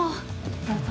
どうぞ。